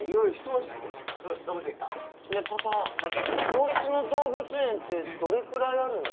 公立の動物園ってどれくらいあるの？